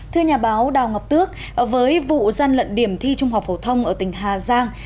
thưa nhà báo đào ngọc tước với vụ gian lận điểm thi trung học phổ thông ở tỉnh hà giang